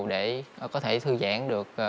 để có thể thư giãn được